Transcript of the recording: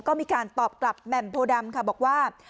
ก็มีการตอบกลับแหม่มโพดำค่ะบอกว่า